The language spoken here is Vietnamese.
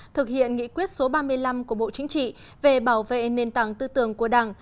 thực hiện nghị quyết số ba mươi năm của bộ chính trị về bảo vệ nền tảng tư tưởng của đảng